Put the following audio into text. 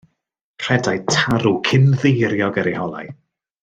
Rhedai tarw cynddeiriog ar eu holau.